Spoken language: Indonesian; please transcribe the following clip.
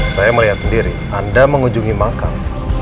saya melihat sendiri anda mengunjungi makam